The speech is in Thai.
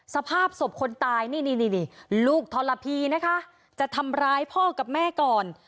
สภาพศพคนตายนี่นี่ลูกทรพีนะคะจะทำร้ายพ่อกับแม่ก่อน